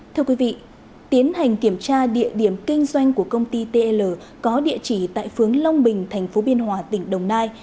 thưa quý vị tiến hành kiểm tra địa điểm kinh doanh của công ty tl có địa chỉ tại phướng long bình tp biên hòa tỉnh đồng nai